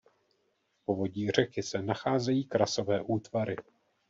V povodí řeky se nacházejí krasové útvary.